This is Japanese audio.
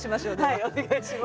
はいお願いします。